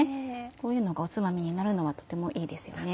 こういうのがおつまみになるのはとてもいいですよね。